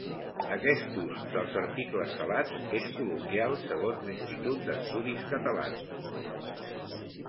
Aquest ús dels articles salats és col·loquial segons l'Institut d'Estudis Catalans.